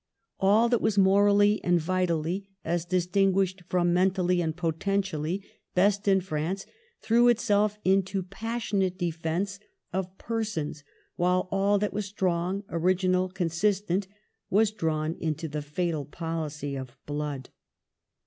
All that was morally and vitally, as distinguished from men tally and potentially, best in France threw itself into passionate defence of persons; while all that was strong, original, consistent, was drawn into the fatal policy of blood.